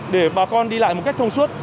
để bà con đi lại một cách thông suốt